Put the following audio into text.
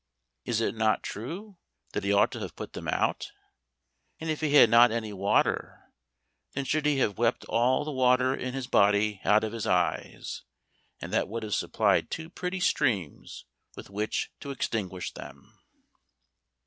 Is it not true that he ought to have put them out? And if he had not any water, then should he have wept all the water in his body out of his eyes, and that would have supplied two pretty streams with which to extinguish them.